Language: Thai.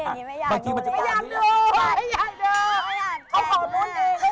โอ้ยอย่างนี้ไม่อยากดูเลยไม่อยากดูไม่อยากดูไม่อยากแต่งไม่อยากดู